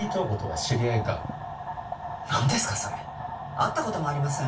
会った事もありません。